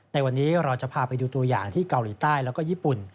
ในวันนี้เราจะพาไปดูตัวอย่างที่เกาหลีใต้แล้วก็ญี่ปุ่น